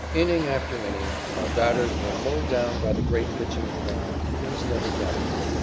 Inning after inning, our batters were mowed down by the great pitching of Brown, who was never better.